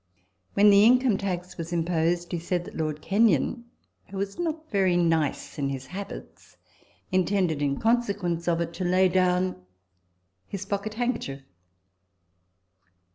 When the in come tax was imposed, he said that Lord Kenyon (who was not very nice in his habits) intended, in conse quence of it, to lay down his pocket handkerchief.